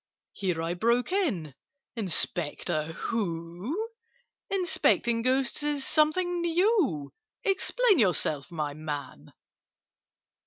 Here I broke in—"Inspector who? Inspecting Ghosts is something new! Explain yourself, my man!"